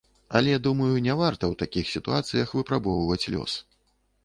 Але, думаю, не варта ў такіх сітуацыях выпрабоўваць лёс.